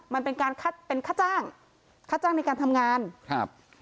มันเป็นการคัดเป็นค่าจ้างค่าจ้างในการทำงานครับ